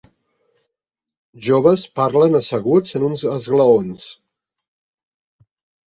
Joves parlen asseguts en uns esglaons.